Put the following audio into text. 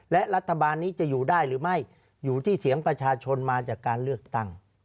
และรัฐบาลนี้จะอยู่ได้หรือไม่อยู่ที่เสียงประชาชนมาจากการเลือกตั้ง